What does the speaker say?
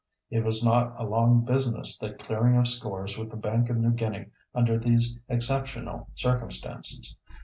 It was not a long business that clearing of scores with the Bank of New Guinea under these exceptional circumstances.